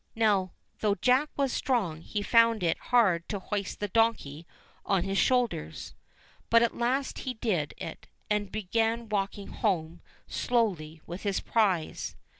Now though Jack was strong he found it hard to hoist the donkey on his shoulders, but at last he did it, and began walking home slowly with his prize.